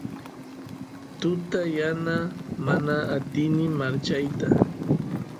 tuta yana mana atini marchayta